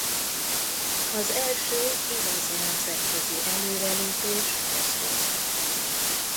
Az első igazi nemzetközi előrelépés ez volt.